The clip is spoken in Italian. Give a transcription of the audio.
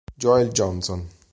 Joel Johnson